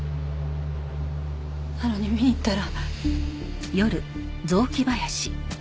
なのに見に行ったら。